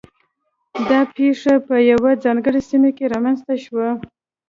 دا پېښه په یوه ځانګړې سیمه کې رامنځته شوه.